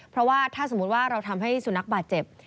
เพราะว่าถ้าสมมุติว่าเราทำให้สุนัขบาดเจ็บ